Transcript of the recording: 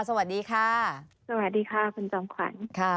สวัสดีค่ะคุณจำขวัญ